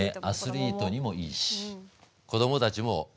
アスリートにもいいし子どもたちも豚好きでしょう？